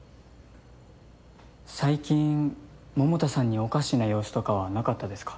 最近桃田さんにおかしな様子とかはなかったですか？